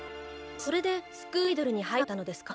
それでスクールアイドルに入らなかったのですか？